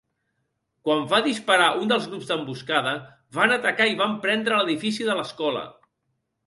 Quan va disparar un dels grups d'emboscada, van atacar i van prendre l'edifici de l'escola.